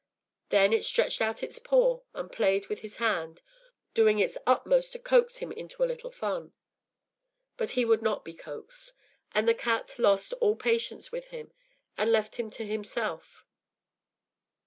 Then it stretched out its paw and played with his hand, doing its utmost to coax him into a little fun; but he would not be coaxed, and the cat lost all patience with him, and left him to himself.